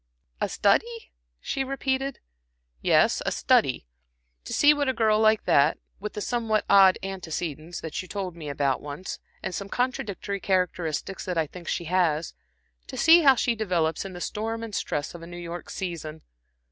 "A a study," she repeated. "Yes, a study to see what a girl like that, with the somewhat odd antecedents that you told me about once, and some contradictory characteristics that I think she has to see how she develops in the storm and stress of a New York season.